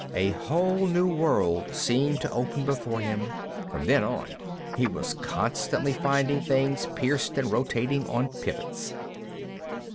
A whole new world seemed to open before him; from then on, he was constantly finding things pierced and rotating on pivots.